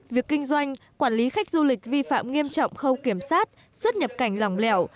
việc kinh doanh quản lý khách du lịch vi phạm nghiêm trọng khâu kiểm soát xuất nhập cảnh lòng lẻo